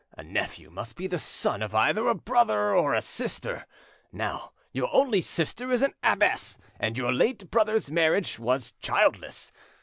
A nephew must be the son of either a brother or a sister. Now, your only sister is an abbess, and your late brother's marriage was childless.